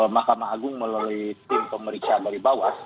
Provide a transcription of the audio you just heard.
makam agung melalui tim pemeriksaan dari bawah